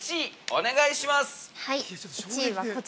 お願いします。